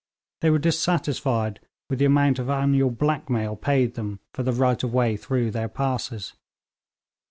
They were dissatisfied with the amount of annual black mail paid them for the right of way through their passes.